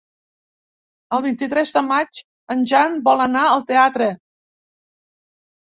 El vint-i-tres de maig en Jan vol anar al teatre.